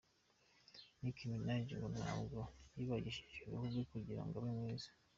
Nicki Minaj ngo ntabwo yibagishije uruhu rwe kugira ngo abe mwiza.